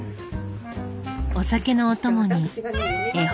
お酒のお供に絵本。